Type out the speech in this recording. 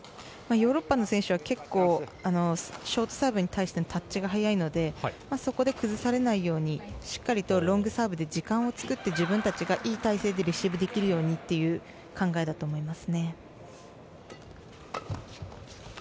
ヨーロッパの選手は結構、ショートサーブに対するタッチが早いのでそこで崩されないようにしっかりとロングサーブで時間を作って自分たちがいい体勢でレシーブできるようにという考えだと思います。